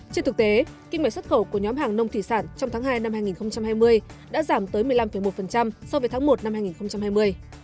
trên thực tế kinh mệnh xuất khẩu của nhóm hàng nông thủy sản trong tháng hai năm hai nghìn hai mươi đã giảm tới một mươi năm một so với tháng một năm hai nghìn hai mươi